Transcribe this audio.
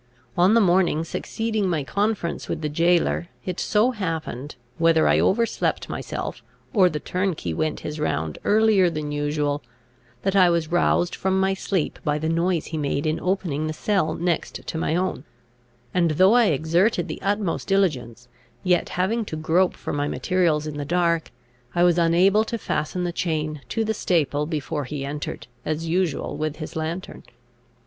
On the morning succeeding my conference with the jailor, it so happened, whether I overslept myself, or the turnkey went his round earlier than usual, that I was roused from my sleep by the noise he made in opening the cell next to my own; and though I exerted the utmost diligence, yet having to grope for my materials in the dark, I was unable to fasten the chain to the staple, before he entered, as usual, with his lantern.